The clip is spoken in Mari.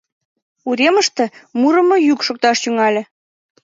Уремыште мурымо йӱк шокташ тӱҥале: